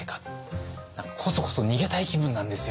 何かこそこそ逃げたい気分なんですよね。